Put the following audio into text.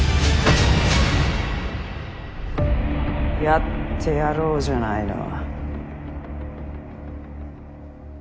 やってやろうじゃないの。